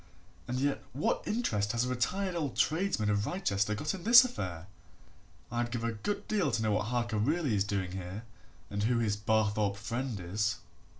And yet what interest has a retired old tradesman of Wrychester got in this affair? I'd give a good deal to know what Harker really is doing here and who his Barthorpe friend is."